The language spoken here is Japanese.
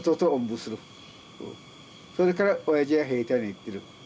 それからおやじは兵隊に行ってる。